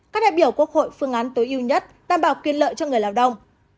các đại biểu quốc hội phương án tối ưu nhất đảm bảo quyền lợi cho người lào đông